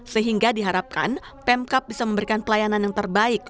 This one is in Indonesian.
sehingga diharapkan pemkap bisa memberikan pelayanan yang terbaik